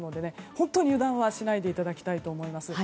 本当に油断は、しないでいただきたいと思います。